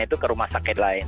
itu ke rumah sakit lain